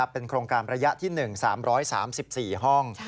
เป็นโครงการระยะที่๑๓๓๔ห้อง